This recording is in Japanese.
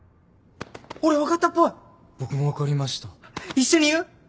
一緒に言う？